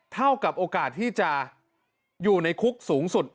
เท่ากับโอกาสที่จะอยู่ในคุกสูงสุด